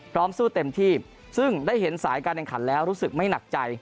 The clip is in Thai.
สู้เต็มที่ซึ่งได้เห็นสายการแข่งขันแล้วรู้สึกไม่หนักใจ